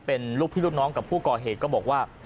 เป็นลูกพี่ลูกน้องกับผู้ก่อเหตุก็บอกว่า